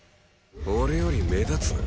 俺より目立つな。